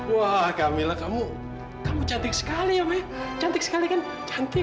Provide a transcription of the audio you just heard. wah kamila kamu kamu cantik sekali ya maya cantik sekali kan cantik